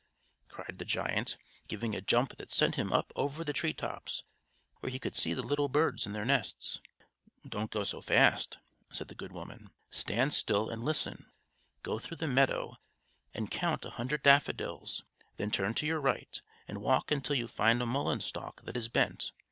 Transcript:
cried the giant, giving a jump that sent him up over the tree tops, where he could see the little birds in their nests. "Don't go so fast," said the good woman. "Stand still and listen! Go through the meadow, and count a hundred daffodils; then turn to your right, and walk until you find a mullein stalk that is bent.